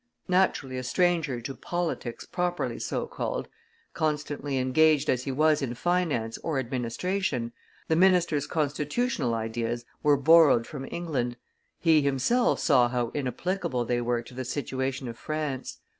Naturally a stranger to politics properly so called, constantly engaged as he was in finance or administration, the minister's constitutional ideas were borrowed from England; he himself saw how inapplicable they were to the situation of France.